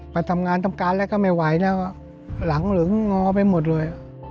ไปทำงานทำการแล้วก็ไม่ไหวแล้วหลังเหลืองงอไปหมดเลย